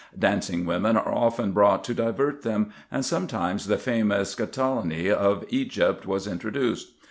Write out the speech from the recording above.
Dancing women are often brought to divert them, and sometimes the famous Catalani of Egypt was introduced.